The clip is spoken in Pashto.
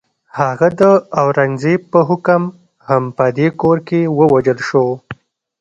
هغه د اورنګزېب په حکم په همدې کور کې ووژل شو.